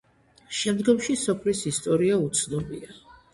შემდგომში სოფლის ისტორია უცნობია.